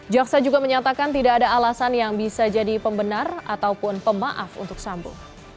jaksa juga menyatakan tidak ada alasan yang bisa jadi pembenar ataupun pemaaf untuk sambu